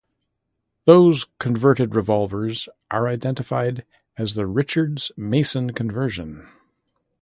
Those converted revolvers are identified as the "Richards-Mason conversion".